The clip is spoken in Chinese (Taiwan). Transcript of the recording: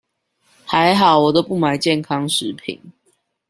還好我都不買健康食品